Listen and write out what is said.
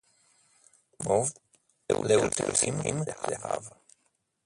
Moved, Leo tells him they have.